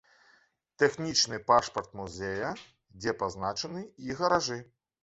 Тэхнічны пашпарт музея, дзе пазначаны і гаражы.